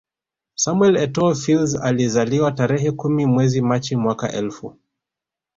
Samuel Etoo Fils alizaliwa tarehe kumi mwezi Machi mwaka elfu